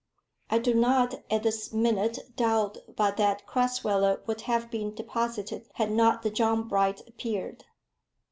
I do not at this minute doubt but that Crasweller would have been deposited had not the John Bright appeared.